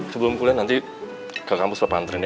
sebelum kuliah nanti ke kampus papa antarin ya